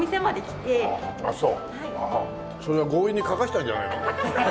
あっそうそれは強引に書かせたんじゃないの？